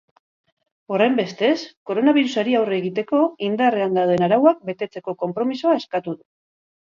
Horrenbestez, koronabirusari aurre egiteko, indarrean dauden arauak betetzeko konpromisoa eskatu du.